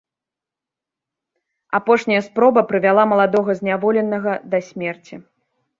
Апошняя спроба прывяла маладога зняволенага да смерці.